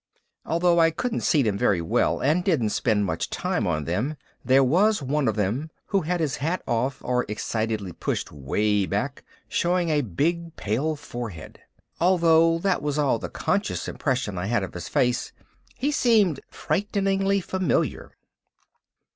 Although I couldn't see them very well, and didn't spend much time on them, there was one of them who had his hat off or excitedly pushed way back, showing a big pale forehead. Although that was all the conscious impression I had of his face, he seemed frighteningly familiar.